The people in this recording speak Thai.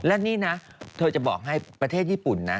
และนี่นะเธอจะบอกให้ประเทศญี่ปุ่นนะ